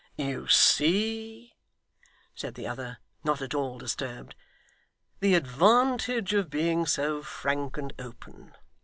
'You see,' said the other, not at all disturbed, 'the advantage of being so frank and open.